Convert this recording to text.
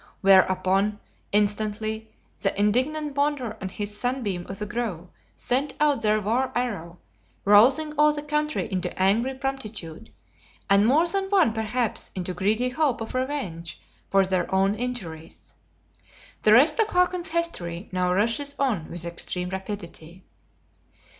Whereupon, instantly, the indignant Bonder and his Sunbeam of the Grove sent out their war arrow, rousing all the country into angry promptitude, and more than one perhaps into greedy hope of revenge for their own injuries. The rest of Hakon's history now rushes on with extreme rapidity.